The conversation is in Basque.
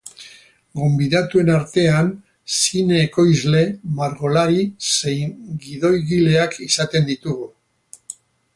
Gonbidatuen artean zine ekoizle, margolari zein gidoigileak izaten ditugu.